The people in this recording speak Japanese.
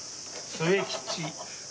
末吉。